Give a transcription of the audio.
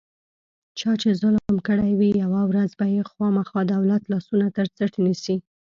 چا چې ظلم کړی وي، یوه ورځ به یې خوامخا دولت لاسونه ترڅټ نیسي.